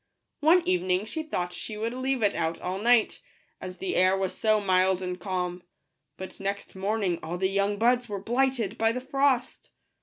One evening she thought she would leave it out all night, as the air was so mild and calm ; but next morning all the young buds were blighted by the frost.